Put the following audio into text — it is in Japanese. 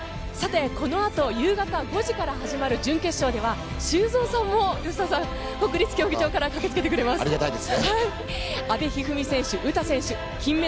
このあと、夕方５時から始まる準決勝には修造さんも吉田さん、国立競技場から駆けつけてくれます。